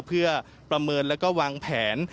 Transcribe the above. เพื่อประเมินแล้วก็วางแผน